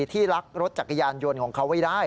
ลักรถจักรยานยนต์ของเขาไว้ได้